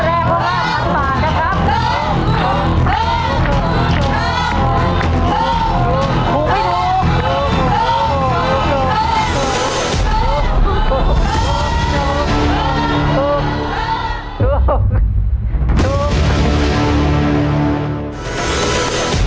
ถูก